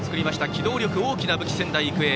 機動力が大きな武器の仙台育英。